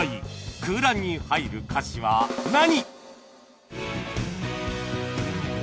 空欄に入る歌詞は何？